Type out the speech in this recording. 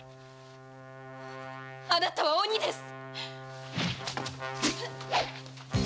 あなたは鬼です。